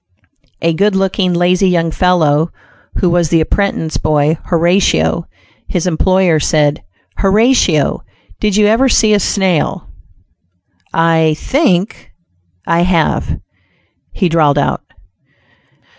A good looking, lazy young fellow, was the apprentice boy, Horatio. His employer said, "Horatio, did you ever see a snail?" "I think I have," he drawled out.